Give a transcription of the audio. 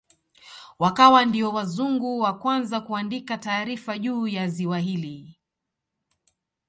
Wakawa ndio wazungu wa kwanza kuandika taarifa juu ya ziwa hili